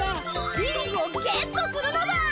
ビンゴをゲットするのだ！